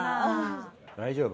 大丈夫？